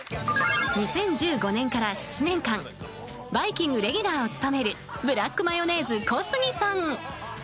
２０１５年から７年間「バイキング」レギュラーを務めるブラックマヨネーズ小杉さん。